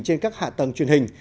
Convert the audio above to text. trên các hạ tầng truyền hình